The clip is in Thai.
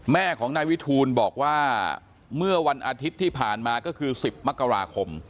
แม่ของนายวิทูลบอกว่าเมื่อวันอาทิตย์ที่ผ่านมาก็คือ๑๐มกราคม